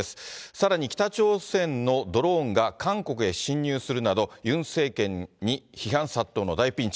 さらに北朝鮮のドローンが韓国に侵入するなど、ユン政権に批判殺到の大ピンチ。